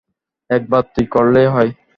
একবার তু করলেই হয়।